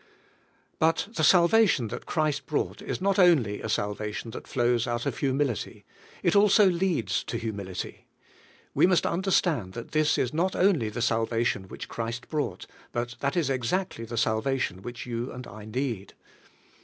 But the salvation that Christ brought is not only a salvation that flows out of humility; it also leads to humility. We must understand that this is not only the salvation which Christ brought; but that it is exactly the salvation which you and I need.